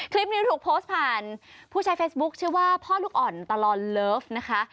คลิปนี้ถูกโพสต์ผ่านผู้ใช้เฟซบุ๊คชื่อว่าพ่อลูกอ่อนตลอดเลิฟนะคะ